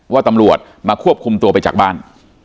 ว่าตำรวจมาควบคุมตัวไปจากบ้าน